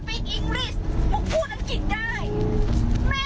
ไม่ต้องปานีให้ล่ะ